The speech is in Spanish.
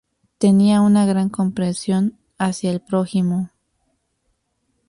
Tenía una gran comprensión hacia el prójimo.